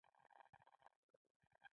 ښه نیت د ښو خلکو عادت وي.